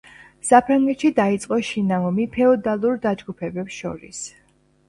საფრანგეთში დაიწყო შინაომი ფეოდალურ დაჯგუფებებს შორის.